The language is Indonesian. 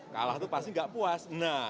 kalah itu pasti gak puas